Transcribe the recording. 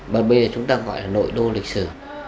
và bây giờ chúng ta gọi là nội đô lịch sử